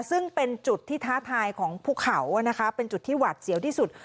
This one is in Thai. ซึ่งเป็นจุดที่ท้าทายของภูเขานะคะเป็นจุดที่หวัดเสียวที่สุด